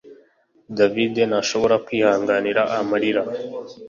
David ntashobora kwihanganira amarira